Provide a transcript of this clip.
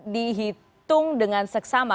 dihitung dengan seksama